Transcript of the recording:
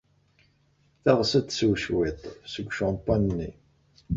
Teɣs ad tsew cwiṭ seg ucampan-nni.